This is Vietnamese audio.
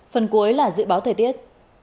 phần cuối là dự báo thời tiết